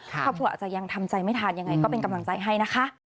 ครอบครัวอาจจะยังทำใจไม่ทันยังไงก็เป็นกำลังใจให้นะคะ